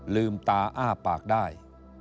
ลืมตาอ้าปากได้